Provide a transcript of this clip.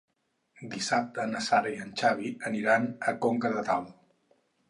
Dissabte na Sara i en Xavi aniran a Conca de Dalt.